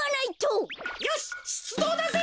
よししゅつどうだぜ！